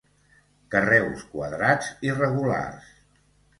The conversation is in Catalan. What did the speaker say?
Carreus quadrats irregulars.